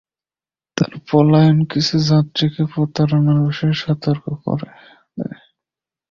তার পলায়ন কিছু যাত্রীকে প্রতারণার বিষয়ে সতর্ক করে দেয়।